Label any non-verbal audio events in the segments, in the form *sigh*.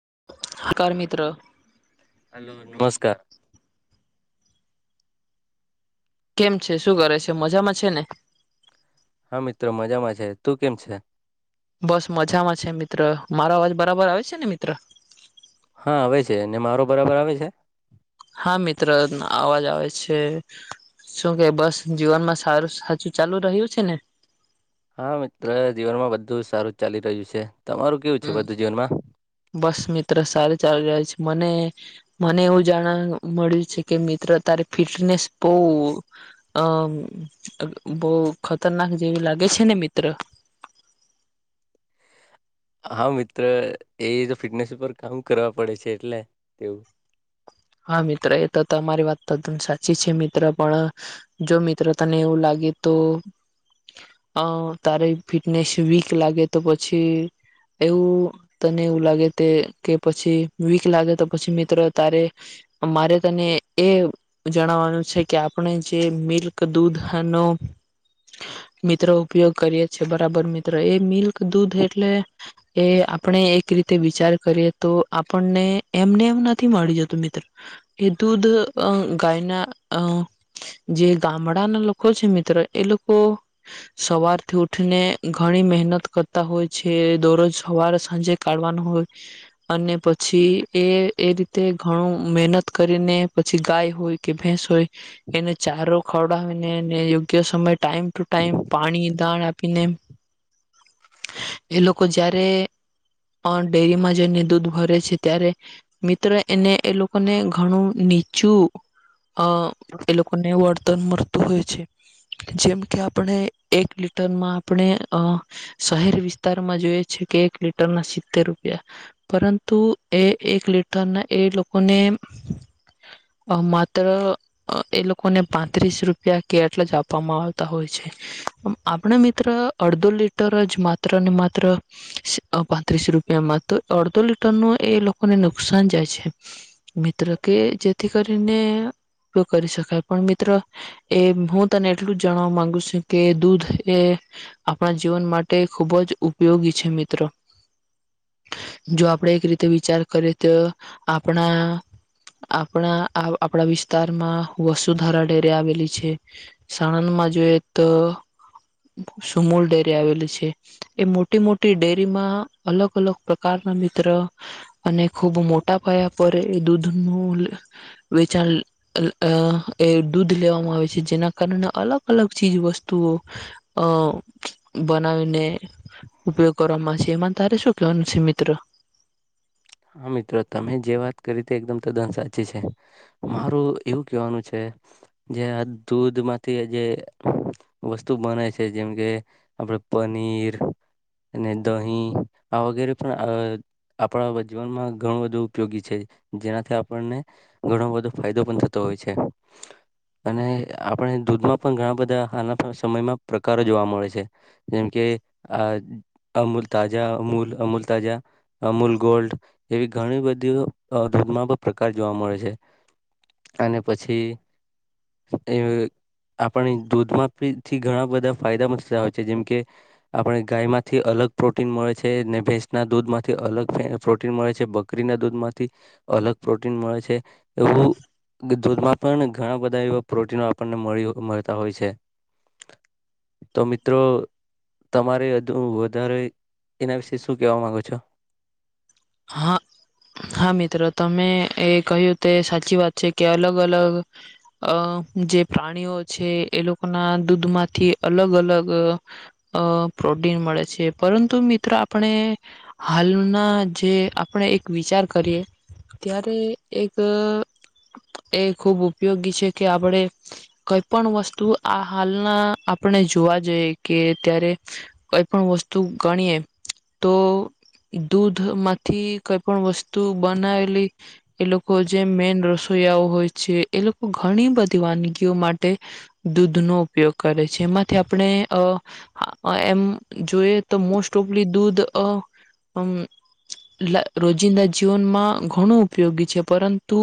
*inaudible* Hello નમસ્કાર. કેમ છે શું કરે છે મજામાં છે ને. હા મિત્રો મજામાં છે તું કેમ છે. બસ મજામાં છે મિત્ર મારો અવાજ બરાબર આવે છે ને મિત્ર. હા આવે છે ને મારો બરાબર આવે છે હા મિત્ર અવાજ આવે છે શું કે બસ જીવનમાં સારું સાચું ચાલુ રહ્યું છે ને હા મિત્ર જીવનમાં બધુ સારું ચાલી રહ્યું છે તમારું કેવું છે હમ બધું જીવનમાં બસ મિત્ર સાર ચાલ *unintelligible* છે મને મને એવું જાણવા મળ્યું છે કે મિત્ર તારી ફિટનેસ બો અ બો ખતરનાક જેવી લાગે છે ને મિત્ર હા મિત્ર એ તો ફિટનેસ ઉપર કામ કરવા પડે છે એટલે તેવું હા મિત્ર એ તો તમારી વાત તદ્દન સાચી છે મિત્ર પણ જો મિત્ર તને એવું લાગે તો અ તારી ફિટનેસ વીક લાગે તો પછી એવું તને એવું લાગે તે કે પછી વીક લાગે તો પછી મિત્ર તારે મારે તને એ જણવાનું છે કે આપણે જે મિલ્ક દૂધ નો મિત્ર ઉપયોગ કરીએ છીએ બરાબર મિત્ર એ મિલ્ક દૂધ એટલે એ આપણે એક રીતે વિચાર કરીએ તો આપણને એમને એમ નથી મળી જતું મિ ત્ર એ દૂધ ગાયના અ જે ગામડાના લોકો છે મિત્ર એ લોકો સવારથી ઉઠીને ઘણી મહેનત કરતા હોય છે દરરોજ સવાર સાંજે કાઢવાનું હોય અને પછી એ એ રીતે ઘણું મહેનત કરીને પછી ગાય હોય કે ભેંસ હોય એને ચારો ખવડાવીને એ યોગ્ય સમય ટાઈમ ટુ ટાઈમ પાણી દાણ આપીને એ લોકો જારે ડેરીમાં જઈને દૂધ ભરે છે ત્યારે મિત્ર એને એ લોકો ઘણું નીચું અ એ લોકોને વર્તન મળતું હોય છે જેમ કે આપણે એક લીટરમાં આપણે અ શહેર વિસ્તારમાં જોઈએ છે કે એક લીટર ના સિત્તેર રૂપિયા પરંતુ એ એક લીટરના એ લોકો લોકો ને માત્ર એ લોકોને પાંત્રીસ રૂપિયા કે એટલા જ આપવામાં આવતા હોય છે આપણા મિત્ર અડધો લીટર જ માત્ર ને માત્ર પાંત્રીસ રૂપિયામાં તો અડધો લીટર નું એ લોકોને નુકસાન જાય છે મિત્ર કે જેથી કર ને ઉપયોગ કરી શકાય પણ મિત્રો એ હું તને એટલું જ જાણવા માંગુ છું કે દૂધ એ આપણા જીવન માટે ખુબ જ ઉપયોગી છે મિત્ર જો આપણે એક રીતે વિચાર કરીએ તો આપણા આપણા આપણા વિસ્તારમાં વસુધારા ડેરી આવેલી છે સાણંદમાં જોઈએ તો સુમૂલ ડેરી આવેલી છે એ મોટી મોટી ડેરીમાં અલગ અલગ પ્રકારના મિત્ર અને ખૂબ મો મોટા પાયા પર એ દૂધનું વેચાણ એ દૂધ લેવામાં આવે છે જેના કારણે અલગ અલગ ચીજ વસ્તુઓ અ બનાવીને ઉપયોગ કરવામાં આવે છે એમાં તારે શું કહેવાનું છે મિત્ર હા મિત્ર તમે જે વાત કરી તે એકદમ તદ્દન સાચી છે મારું એવું કહેવાનું છે જે આ દૂધમાંથી જે વસ્તુ બને છે જેમ કે આપડે પનીર અને દહીં આ વગેરે પણ અ આપણા જીવનમાં ઘણું બધું ઉપયોગી છે જેનાથી આપણને ઘણો બધો ફાયદો પણ થતો હોય છે અને આપણે દૂધમાં પણ ઘણા બધા આના સમયમાં પ્રકારો જોવા મળે છે જેમ કે આ અમૂલ તાજા અમૂલ અમૂલ તાજા અમૂલ ગોલ્ડ એવી ઘણી બધી અ દૂધમાં પણ પ્રકાર જોવા મળે છે અને પછી એ આપણે દૂધમાંથી ઘણા બધા ફાયદા થતા હોય છે જેમ કે આપણે ગાય માંથી અલગ પ્રોટીન મળે છે ને ભેંસના દૂધમાંથી અલગ પ્રોટીન મળે છે બકરીના દૂધમાંથી અલગ પ્રોટીન મળે છે એવું દૂધમાં પણ ઘણા બધા એવા પ્રોટીનો આપણને મળતા હોય છે તો મિત્રો તમારે વધારે એના વિશે શું કેહેવા માંગો છો હા હા મિત્રો તમે એ કહ્યું તે સાચી વાત છે કે અલગ અલગ અ જે પ્રાણીઓ છે એ લોકોના દૂધમાંથી અલગ અલગ અ પ્રોટીન મળે છે પરંતુ મિત્રો આપણે હાલના જે આપણે એક વિચાર કરીએ ત્યારે એક એ ખૂબ ઉપયોગી છે કે આપણે કઈ પણ વસ્તુ આ હાલના આપણે જોવા જઈએ કે ત્યારે કઈ પણ વસ્તુ ગણીએ તો દૂધ માંથી કઈ પણ વસ્તુ બનાવેલી એ લોકો જે મેન રસોઈયાઓ હોય છે એ લોકો ઘણી બધી વાનગીઓ માટે દૂધનો ઉપયોગ કરે છે એમાંથી આપણે એમ જોઈએ તો મોસ્ટ ઓફલી દૂધ અ રોજિંદા જીવનમાં ઘણું ઉપયોગી છે પરંતુ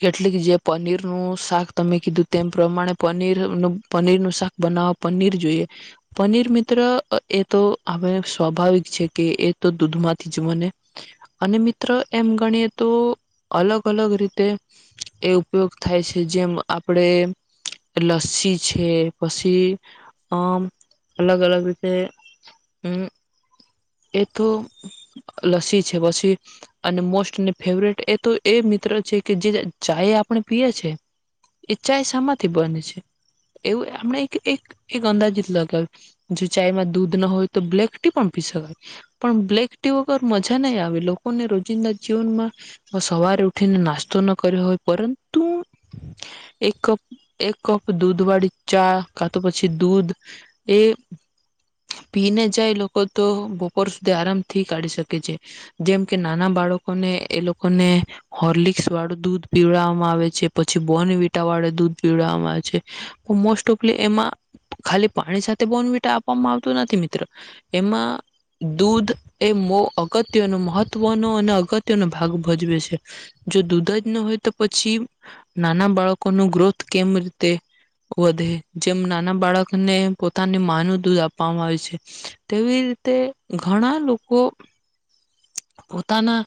કેટલીક જે પનીરનું શાક તમે કીધું તેમ પ્રમાણે પનીર પનીરનું શાક બનાવવા પનીર જોઈએ પનીર મિત્ર એ તો આપણે સ્વાભાવિક છે કે તો દૂધમાંથી જ બંને અને મિત્રો એમ ગણીએ તો અલગ અલગ રીતે એ ઉપયોગ થાય છે જેમ આપડે લસ્સી છે પછી અમ અલગ અલગ રીતે અમ એ તો લસી છે પછી અને મોસ્ટ અને ફેવરેટ એ તો એ મિત્ર છે કે જે ચાાય આપણે પીએ છે એ ચાય શામાંથી બને છે એવું આપણે એક એક અંદાજત લગાવ જો ચાયમાં દૂધ ના હોય તો બ્લેક ટી પણ પીય શકાય પણ બ્લેક ટી વગર મજા નહી આવે લોકોને રોજ *unintelligible* જીવનમાં સવારે ઉઠીને નાસ્તો ન કર્યો હોય પરંતુ એક કપ એક કપ દૂધ વાળી ચા કાતો પછી દૂધ એ પીને જાય લોકો તો બપોર સુ આરામથી કાઢી શકે છે જેમ કે નાના બાળકોને એ લોકોને હોર્લિક્સ વાળું દૂધ પીવડાવવામાં આવે છે પછી બોન વિટા વાળે દૂધ પીવડવામાં આવે છે મોસ્ટ ઓફલી એમાં ખાલી પાણી સાથે બોન વિટા આપવામાં આવતો નથી મિત્ર એમાં દૂધ એ મો અગત્યનો મહત્વનો અને અગત્યનો ભાગ ભજવે છે. જો દૂધ જ ન હોય તો પછી નાના બાળકોનો ગ્રોથ કેમ રીતે વધે. જેમ નાના બાળકને પોતાને માનું દૂધ આપવામાં આવે છે તેવી રીતે ઘણા લોકો પોતાના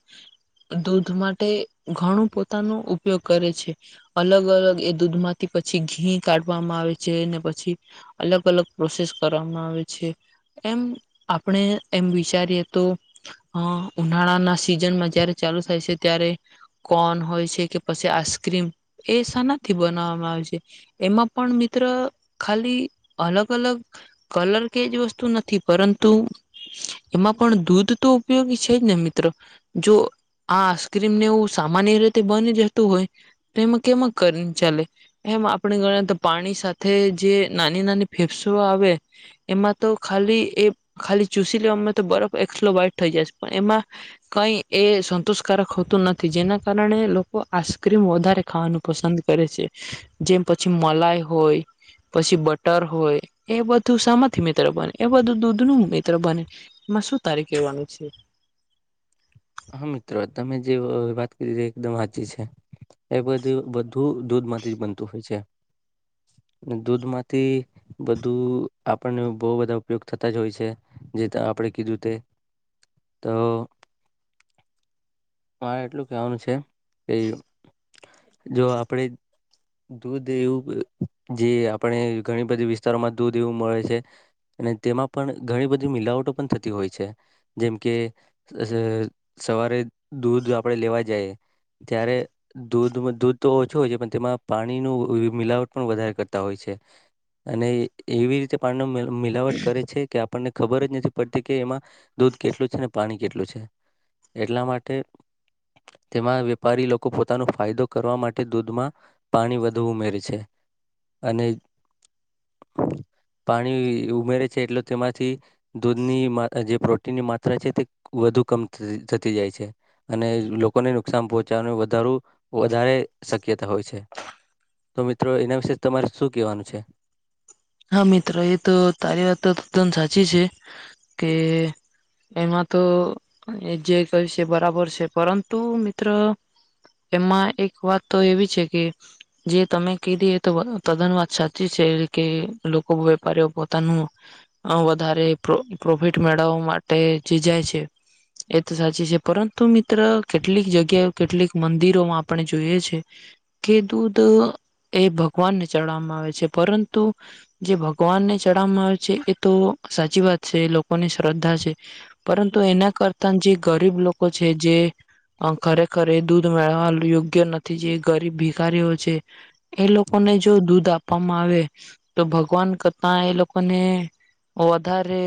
દૂધ માટે ઘણું પોતાનો ઉપયોગ કરે છે. અલગ અલગ એ દૂધમાંથી પછી ઘી કાઢવામાં આવે છે ને પછી અલગ અલગ પ્રોસેસ કરવામાં આવે છે. એમ આપણે એમ વિચારીએ તો અહ ઉનાળાના સિઝનમાં જયારે ચાલુ થાય છે ત્યારે કોન હોય છે કે પછી આઈસ્ક્રીમ એ શાનાથી બનાવવામાં આવે છે એમાં પણ મિત્ર ખાલી અલગ અલગ કલર કે જ વસ્તુ નથી પરંતુ એમાં પણ દૂધ તો ઉપયોગી છે જ ને મિત્રો જો આ આઈસ્ક્રીમ ને એવું સામાન્ય રીતે બની જતું હોય તો એમાં કેમાં કરીને ચાલે એમ આપણે ગણી તો પાણી સાથે જે નાની નાની ફેફસો આવે એમાં તો ખાલી એ ખાલી ચૂસી લેવામાં તો બરફ એક્સલોબાઈટ થઈ જાયસ પણ એમાં કઈ એ સંતોષકારક હોતું ન થી. જેના કારણે લોકો આઇસ્ક્રીમ વધારે ખાવાનું પસંદ કરે છે. જેમ પછી મલાઈ હોય પછી બટર હોય એ બધું શમાંથી મિત્ર બને એ બધું દૂધનું મિત્ર બને એમાં શું તારે કહેવાનું છે. હા મિત્ર. તમે જેઅ વાત કરી એકદમ હાચી છે. એ બધું બધું દૂધ માંથી જ બનતું હોય છે. દૂધમાંથી બધું આપણને બો બધા ઉપયોગ થતા જ હોય છે જે આપણે કીધું તે તો મારે એટલું કેવાનું છે એ જો આપડે દૂધ એવું અહ જે આપણે ઘણી બધી વિસ્તારોમાં દૂધ એવું મળે છે અને તેમાં પણ ઘણી બધી મિલાવટો પણ થતી હોય છે. જેમ કે અસ-સવારે દૂધ આપડે લેવા જાએ જ્યારે દૂધ માં દૂધ તો ઓછું હોય છે પણ તેમાં પાણી નું મિલાવટ પણ વધારે કરતા હોય છે. અને એવી રીતે પાણીનો મેળ મિલાવટ કરે છે કે આપ પનને ખબર જ નથી પડતી કે એમાં દૂધ કેટલું છે અને પાણી કેટલું છે. એટલા મા ટે તેમાં વેપારી લોકો પોતાનો ફાયદો કરવા માટે દૂધમાં પાણી વધુ ઉમેરે છે અને પાણી ઉમેરે છે એટલે તેમાંથી દૂધનીમાં જે પ્રોટીનની માત્રા છે તે વધુ કમ થ-થતી જાય છે. અને લોકોને નુકસાન પહોંચાડવાનું વધારું વધારે શક્યતા હોય છે. તો મિત્રો એના વિશે તમારે શું કેહેવાનું છે? હા મિત્ર એ તો તારી વાત તો એકદમ સાચી છે કે એમાં તો એ જે કહ છે બરાબર છે પરંતુ મિત્ર એમાં એક વાત તો એવી છે કે જે તમે કીધી એ તો તદ્દન વાત સાચી છે કે. લોકો વેપારીઓ પોતાનું અહ વધારે પ્રો-પ્રોફિટ મેળવવા માટે જે જાય છે એ તો સાચી છે પરંતુ મિત્ર કેટલીક જગ્યા કેટલીક મંદિરોમાં આપણે જોઈએ છે કે દૂધ એ ભગવાનને ચડવામાં આવે છે પરંતુ જે ભગવાનને ચડાવવામાં આવે છે એ તો સાચી વાત છે એ લોકોની શ્રદ્ધા છે પરંતુ એના કરતા જે ગરીબ લોકો છે જે અહ ખરેખર દૂધ મેળવા યોગ્ય નથી જે ગરીબ ભીખારીઓ છે એ લોકોને જો દૂધ આપવામાં આવે તો ભગવાન કરતા એ લોકોને વધારે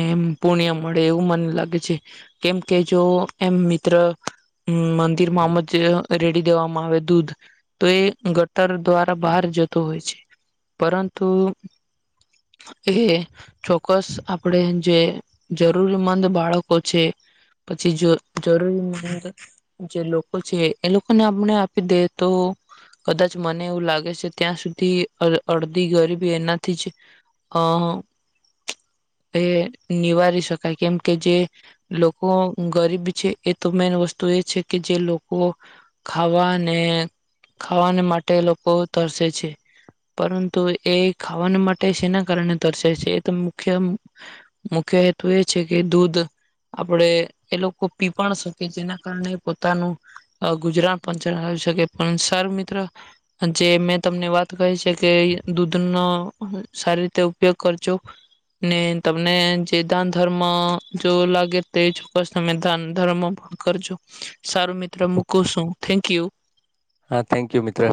એમ પુણ્ય મળે એવું મને લાગે છે. કેમ કે જો એમ મિત્ર અહ મંદિર માંમજ રેડી દેવામાં આવે દૂધ તો એ ગટર દ્વારા બહાર જતો હોય છે પરંતુ એ ચોક્કસ આપ પણે જે જરૂરીમંદ બાળકો છે પછી જો-જરૂરીમંદ જે લોકો છે એ લોકોને આપને આપી દે તો કદાચ મને એવું લાગે છે ત્યાં સુધી અડ-અડધી ગરીબી એનાથી જ અહ તે નિવારી શકાય કેમ કે જે લોકો ગરીબ છે એ તો મેન વસ્તુ એ છે કે જે લોકો ખાવાને ખાવાને માટે લોકો તરસે છે પરંતુ એ ખાવાને માટે શેના કારણે તરસે છે એ તો મુખ્ય મુખ્ય હેતુ એ છે કે દૂધ આપડે એ લોકો પીપ શકે જેના કારણે પોતાનું અહ ગુજરાન પણ ચલાવી શકે પણ સારું મિત્ર જે મેં તમને વાત કહી છે કે દૂધનો સારી રીતે ઉપયોગ કરજો ને તમને જે ધાન ધર્મ જોવ લાગે તે ચોક્કસ તમે ધાન ધર્મ પણ કરજો સારું મિત્ર મુકુ છું થેન્ક યુ. હા થેન્ક યુ મિત્ર.